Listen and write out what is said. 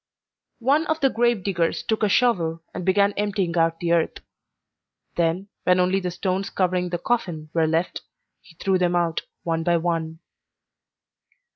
One of the grave diggers took a shovel and began emptying out the earth; then, when only the stones covering the coffin were left, he threw them out one by one.